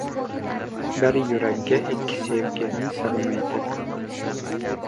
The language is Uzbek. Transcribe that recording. • Bir yurakka ikki sevgini sig‘maydi.